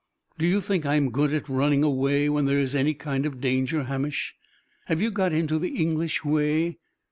"Do you think I am good at running away when there is any kind of danger, Hamish? Have you got into the English way?